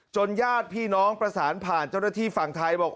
ญาติพี่น้องประสานผ่านเจ้าหน้าที่ฝั่งไทยบอก